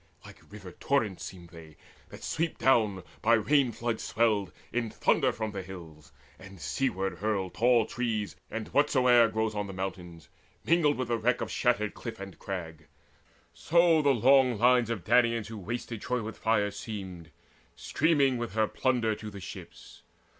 Like river torrents seemed they, that sweep down, By rain, floods swelled, in thunder from the hills, And seaward hurl tall trees and whatsoe'er Grows on the mountains, mingled with the wreck Of shattered cliff and crag; so the long lines Of Danaans who had wasted Troy with fire Seemed, streaming with her plunder to the ships.